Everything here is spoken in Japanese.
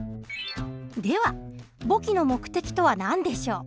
では簿記の目的とは何でしょう。